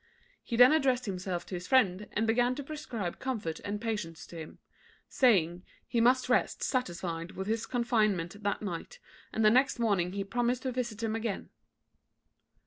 He then addressed himself to his friend, and began to prescribe comfort and patience to him; saying, he must rest satisfied with his confinement that night; and the next morning he promised to visit him again.